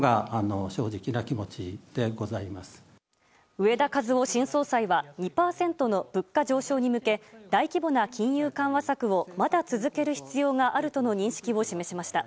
植田和男新総裁は２％の物価上昇に向け大規模な金融緩和策をまだ続ける必要があるとの認識を示しました。